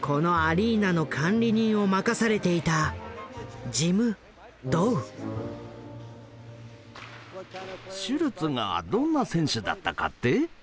このアリーナの管理人を任されていたシュルツがどんな選手だったかって？